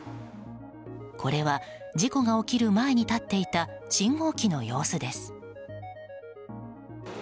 これは事故が起きる前に立っていた信号機の様子です。